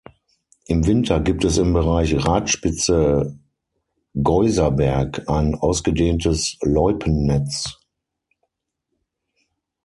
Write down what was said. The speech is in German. Im Winter gibt es im Bereich Radspitze-Geuserberg ein ausgedehntes Loipennetz.